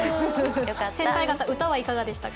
先輩方、歌はいかがでしたか？